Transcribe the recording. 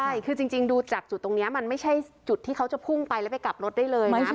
ใช่คือจริงดูจากจุดตรงนี้มันไม่ใช่จุดที่เขาจะพุ่งไปแล้วไปกลับรถได้เลยนะ